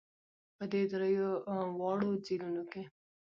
په دې درېواړو ځېلونو کې